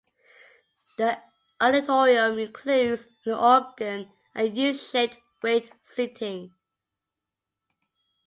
The auditorium includes an organ and U-shaped raked seating.